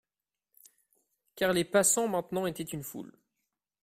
Car les passants maintenant étaient une foule.